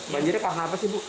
banjirnya kenapa sih bu